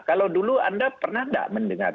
kalau dulu anda pernah nggak mendengar